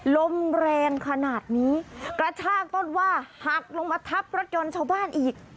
ลมแรงขนาดนี้กระชากต้นว่าหักลงมาทับรถยนต์ชาวบ้านอีก